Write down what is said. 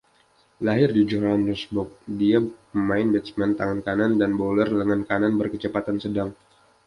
Lahir di Johannesburg, dia pemain batsman tangan kanan dan bowler lengan kanan berkecepatan sedang.